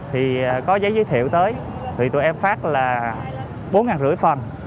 thì có giấy giới thiệu tới thì tụi em phát là bốn năm trăm linh phần